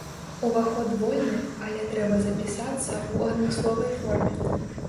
Уваход вольны, але трэба запісацца ў адмысловай форме.